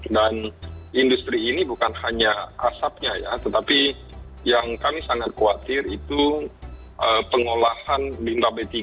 dan industri ini bukan hanya asapnya tetapi yang kami sangat khawatir itu pengolahan bintang b tiga